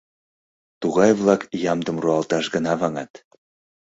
Тугай-влак ямдым руалташ гына ваҥат.